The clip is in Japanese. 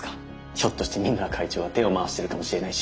ひょっとして三村会長が手を回してるかもしれないし。